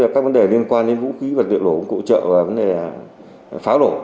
các vấn đề liên quan đến vũ khí vật liệu nổ công cụ trợ và vấn đề pháo nổ